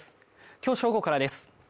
今日正午からです。